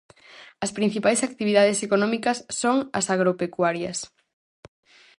As principais actividades económicas son as agropecuarias.